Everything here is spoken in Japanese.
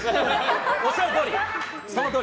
おっしゃるとおり！